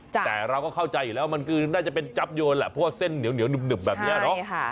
แต่เราก็เข้าใจอยู่แล้วมันก็น่าจะเป็นจับโยนแหละเพราะว่าเส้นเหนียวหนึบแบบนี้เนาะ